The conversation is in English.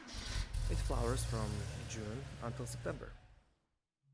It flowers from June until September.